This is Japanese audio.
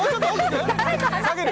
下げる？